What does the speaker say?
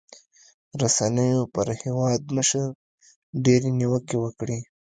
رسنيو پر هېوادمشر ډېرې نیوکې وکړې.